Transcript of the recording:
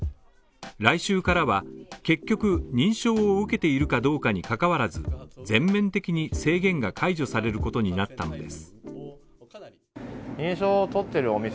来週からは結局認証を受けているかどうかにかかわらず全面的に制限が解除されることになったのです